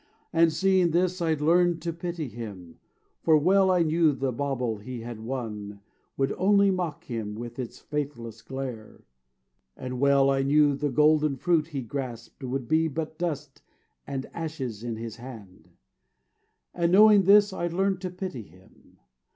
And seeing this I learned to pity him. For well I knew the bauble he had won Would only mock him with its faithless glare; And well I knew the golden fruit he grasped Would be but dust and ashes in his hand; And knowing this I learned to pity him.